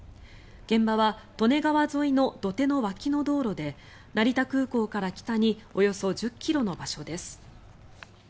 現場は利根川沿いの土手の脇の道路で成田空港から北におよそ１０ｋｍの場所です。